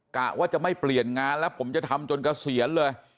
กะว่าจะไม่เปลี่ยนงานแล้วผมจะทำจนเกษียณเลย